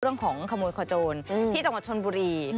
ด้านของขโมยควาโจนที่จังหวัดชนบุรี